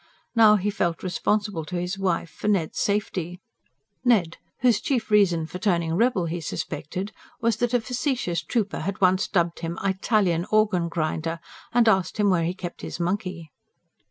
Now he felt responsible to his wife for Ned's safety: Ned, whose chief reason for turning rebel, he suspected, was that a facetious trooper had once dubbed him "Eytalian organ grinder," and asked him where he kept his monkey.